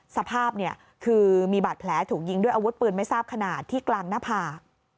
สภาพเนี่ยคือมีบาดแผลถูกยิงด้วยอาวุธปืนไม่ทราบขนาดที่กลางหน้าผาก